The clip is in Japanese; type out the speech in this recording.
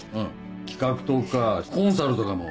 企画とかコンサルとかも。